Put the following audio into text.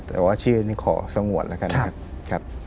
แต่ว่าชื่อนี้ขอสงวนแล้วกันนะครับ